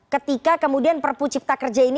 ketika kemudian perpucipta kerja ini